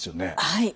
はい。